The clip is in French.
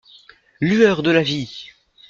Lueur de la vie!